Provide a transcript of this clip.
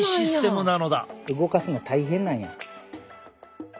動かすの大変なんや。